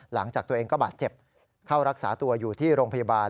หลังจากตัวเองก็บาดเจ็บเข้ารักษาตัวอยู่ที่โรงพยาบาล